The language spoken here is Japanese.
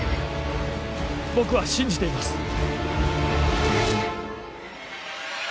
僕は信じています。